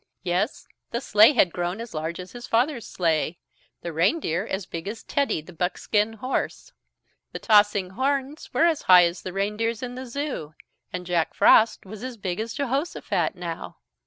Yes, the sleigh had grown as large as his father's sleigh; the reindeer as big as Teddy, the buckskin horse. The tossing horns were as high as the reindeer's in the Zoo, and Jack Frost was as big as Jehosophat now.